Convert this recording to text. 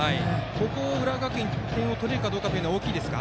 ここで浦和学院が点を取れるかは大きいですか。